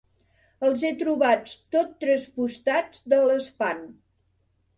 Els he trobats tot traspostats de l'espant.